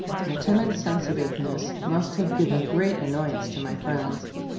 My timid sen sitiveness must have given great an noyance to my friends.